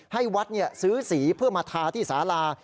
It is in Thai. ให้วัดซื้อสีเพื่อมาทาที่สาลา